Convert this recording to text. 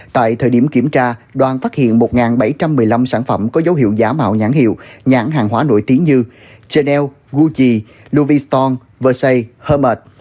tại thời điểm kiểm tra đoàn phát hiện một bảy trăm một mươi năm sản phẩm có dấu hiệu giả mạo nhãn hiệu nhãn hàng hóa nổi tiếng như chanel gucci louis vuitton versailles hermès